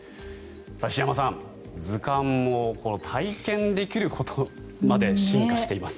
石山さん、図鑑も体験できるところまで進化しています。